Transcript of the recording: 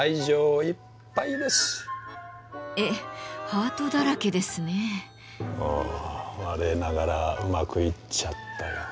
お我ながらうまくいっちゃったよ。